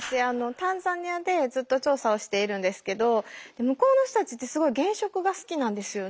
タンザニアでずっと調査をしているんですけど向こうの人たちってすごい原色が好きなんですよね。